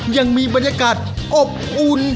ยังมีบรรยากาศอบอุ่น